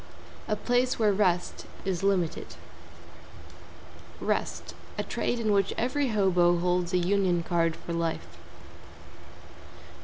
A place where rest is limited. =REST= A trade in which every hobo holds a Union Card for life.